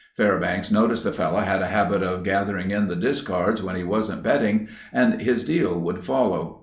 Fairbanks noticed the fellow had a habit of gathering in the discards when he wasn't betting and his deal would follow.